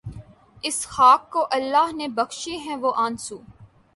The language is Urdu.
اس خاک کو اللہ نے بخشے ہیں وہ آنسو